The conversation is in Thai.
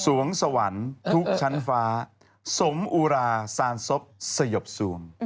สวงสวรรค์ทุกชั้นฟ้าสมอุราสารทรัพย์สยบทรวง